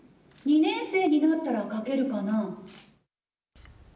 ２年生になったらかけるかな。